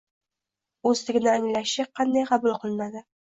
o‘zligini anglashi qanday qabul qilinadi.